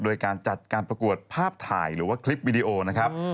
โดยการจัดการประกวดภาพถ่ายหรือว่าคลิปวิดีโอนะครับ